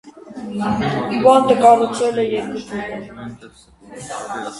Բանտը կառուցվել է երկու փուլով։